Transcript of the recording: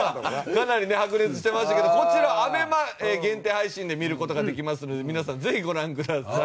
かなりね白熱してましたけどこちらアベマ限定配信で見る事ができますので皆さんぜひご覧ください。